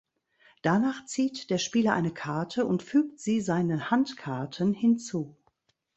Danach zieht der Spieler eine Karte und fügt sie seinen Handkarten hinzu.